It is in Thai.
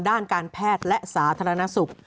ด้านการแพทย์และสาธารณสุข